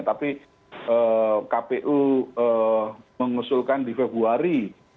tapi kpu mengusulkan di februari